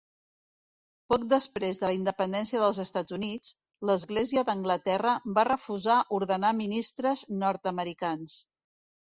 Poc després de la independència dels Estats Units, l'Església d'Anglaterra va refusar ordenar ministres nord-americans.